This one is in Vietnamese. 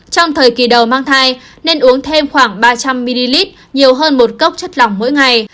trong thời kỳ đầu mang thai nên uống thêm khoảng ba trăm linh ml nhiều hơn một cốc chất lỏng mỗi ngày